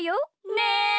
ねえ！